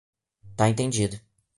Tá entendido.